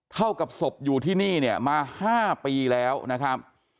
เท่ากับศพอยู่ที่นี่เนี่ยมา๕ปีแล้วนะครับ